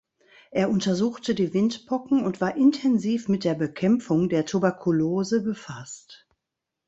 Er untersuchte die Windpocken und war intensiv mit der Bekämpfung der Tuberkulose befasst.